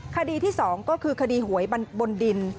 คดีที่๒ก็คือคดีหวยบนดิน